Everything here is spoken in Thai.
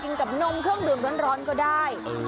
กินกับนมเครื่องดื่มร้อนก็ได้